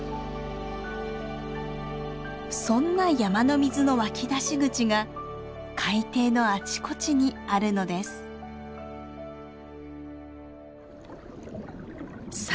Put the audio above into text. そんな山の水の湧き出し口が海底のあちこちにあるのです。